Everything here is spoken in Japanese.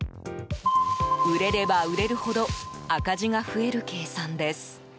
売れれば売れるほど赤字が増える計算です。